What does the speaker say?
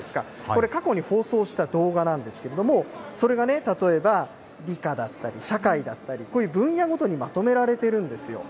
これ、過去に放送した動画なんですけれども、それがね、例えば理科だったり、社会だったり、こういう分野ごとにまとめられているんですよ。